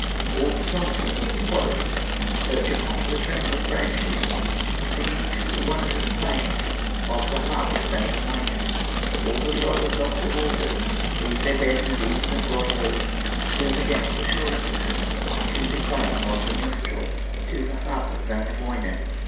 All the songsters of the forests Perch upon the trembling branches, Singing to the wondrous playing Of the harp of Wainamoinen. All the dwellers of the waters Leave their beds, and caves, and grottoes, Swim against the shore and listen To the playing of the minstrel, To the harp of Wainamoinen.